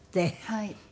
はい。